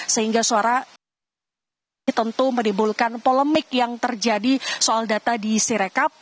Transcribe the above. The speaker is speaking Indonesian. sehingga suara ini tentu menimbulkan polemik yang terjadi soal data di sirekap